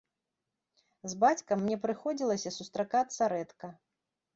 З бацькам мне прыходзілася сустракацца рэдка.